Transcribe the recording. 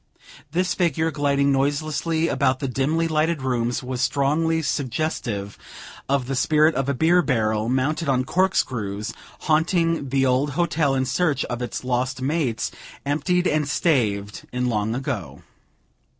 This figure, gliding noiselessly about the dimly lighted rooms, was strongly suggestive of the spirit of a beer barrel mounted on cork screws, haunting the old hotel in search of its lost mates, emptied and staved in long ago.